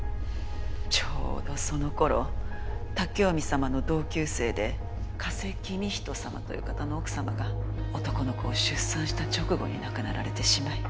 ちょうどその頃武臣様の同級生で加瀬公仁様という方の奥様が男の子を出産した直後に亡くなられてしまい。